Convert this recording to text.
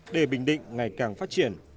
để bình định ngày càng phát triển